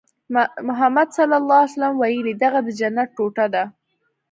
محمد ص ویلي دغه د جنت ټوټه ده.